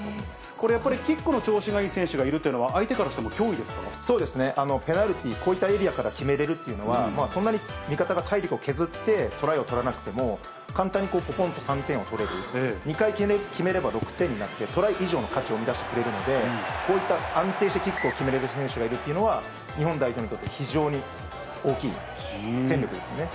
これやっぱり、キックの調子がいい選手がいるというのは、相手からしても脅威でそうですね、ペナルティー、交代エリアから決められるっていうのは、味方が体力を削ってトライを取らなくても、簡単にぽんと３点を取れる、２回決めれば６点になって、トライ以上の価値を生み出してくれるので、こういった安定してキックを決めれる選手がいるっていうのは、日本代表にとって非常に大きい戦力ですね。